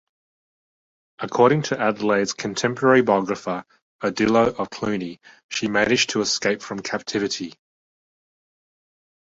According to Adelaide's contemporary biographer, Odilo of Cluny, she managed to escape from captivity.